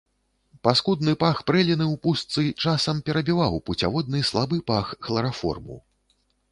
Паскудны пах прэліны ў пустцы часам перабіваў пуцяводны слабы пах хлараформу.